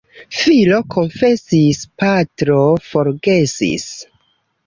Filo konfesis — patro forgesis.